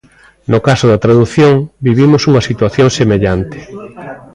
No caso da tradución, vivimos unha situación semellante.